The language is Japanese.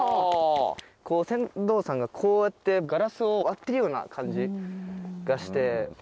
船頭さんがこうやってガラスを割ってるような感じがして。